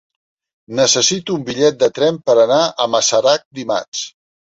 Necessito un bitllet de tren per anar a Masarac dimarts.